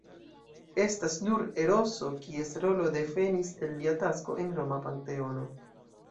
Estas nur Eroso, kies rolo devenis el lia tasko en roma panteono.